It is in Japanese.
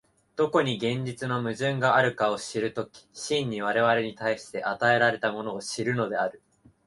どこに現実の矛盾があるかを知る時、真に我々に対して与えられたものを知るのである。